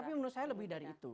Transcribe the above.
tapi menurut saya lebih dari itu